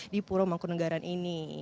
di puramakunegara ini